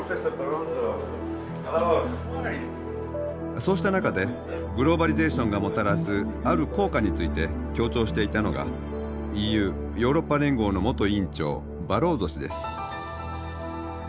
そうした中でグローバリゼーションがもたらすある効果について強調していたのがＥＵヨーロッパ連合の元委員長バローゾ氏です。